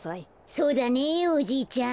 そうだねおじいちゃん。